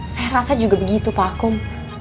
saya rasa juga begitu pak akum